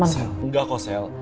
sel enggak kok sel